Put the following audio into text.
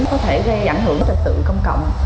có thể gây ảnh hưởng trực tự công cộng